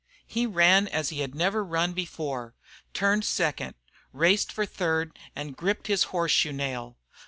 He ran as he had never run before, turned second, raced for third, and gripped his horseshoe nail.